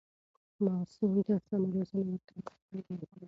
ماسوم ته سمه روزنه ورکول د پلار دنده ده.